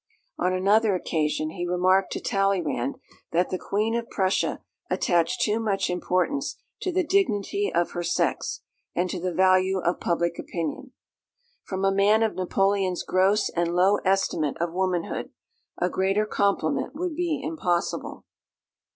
On another occasion he remarked to Talleyrand that the "Queen of Prussia attached too much importance to the dignity of her sex, and to the value of public opinion." From a man of Napoleon's gross and low estimate of womanhood, a greater compliment would be impossible.